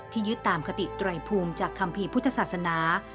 ยึดตามคติไตรภูมิจากคัมภีร์พุทธศาสนา